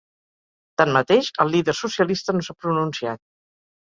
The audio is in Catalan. Tanmateix, el líder socialista no s’ha pronunciat.